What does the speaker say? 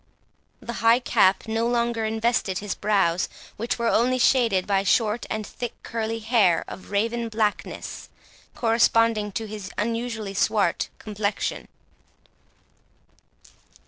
The high cap no longer invested his brows, which were only shaded by short and thick curled hair of a raven blackness, corresponding to his unusually swart complexion.